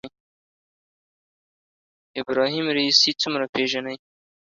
ابراهیم رئیسي څومره پېژنئ